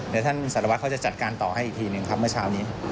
เดี๋ยวท่านสารวัตรเขาจะจัดการต่อให้อีกทีหนึ่งครับเมื่อเช้านี้